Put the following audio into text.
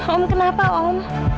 om kenapa om